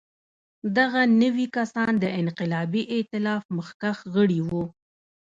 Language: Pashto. دغه نوي کسان د انقلابي اېتلاف مخکښ غړي وو.